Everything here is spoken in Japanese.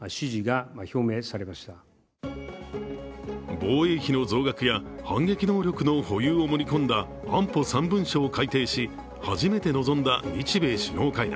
防衛費の増額や反撃能力の保有を盛り込んだ安保３文書を改定し、初めて臨んだ日米首脳会談。